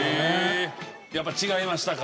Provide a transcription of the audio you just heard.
やっぱり違いましたか？